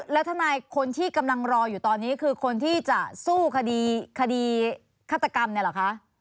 แล้วทนายคนที่กำลังรออยู่ตอนนี้คือคนที่จะสู้คดีคดีฆาตกรรมเนี่ยเหรอคะ